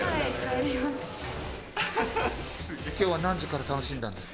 今日は何時から楽しんだんですか。